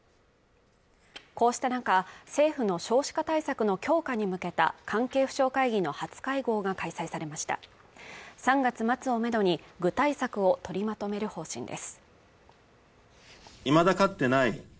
こうした中政府の少子化対策の強化に向けた関係府省会議の初会合が開催されました３月末をめどに具体策を取りまとめる方針です